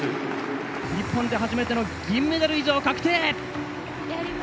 日本で初めての銀メダル以上確定！